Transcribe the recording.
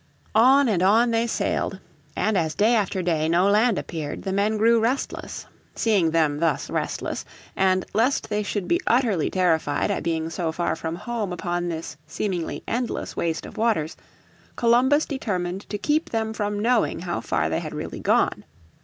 On and on they sailed, and as day after day no land appeared the men grew restless. Seeing them thus restless, and lest they should be utterly terrified at being so far from home upon this seemingly endless waste of waters, Columbus determined to keep them from knowing how far they had really gone.